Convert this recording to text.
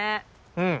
うん。